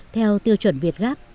theo tiêu chuẩn việt gáp